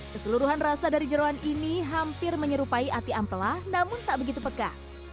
keseluruhan rasa dari jerawan ini hampir menyerupai ati ampela namun tak begitu peka